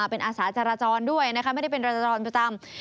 เป็นอาสาจรจรด้วยนะคะไม่ได้เป็นจรจรประจำ